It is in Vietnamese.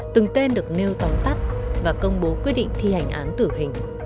từng tên được nêu tóm tắt và công bố quyết định thi hành án tử hình